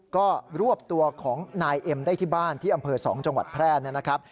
ก็รวบตัวของนายเอ็มได้ที่บ้านที่อำเภอ๒จังหวัดแพร่นะครับ